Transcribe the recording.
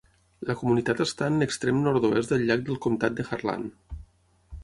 La comunitat està en l'extrem nord-oest del llac del comtat de Harlan.